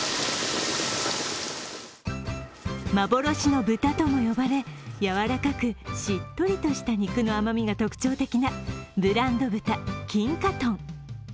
幻の豚とも呼ばれ、やわらかくしっとりとした肉の甘みが特徴的なブランド豚・金華豚。